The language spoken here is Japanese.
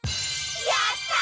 やった！